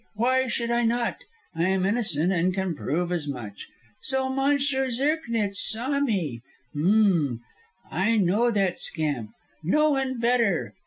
Why should I not? I am innocent and can prove as much. So Monsieur Zirknitz saw me? H'm! I know that scamp; no one better.